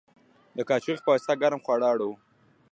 د کاچوغې په واسطه ګرم خواړه اړوو.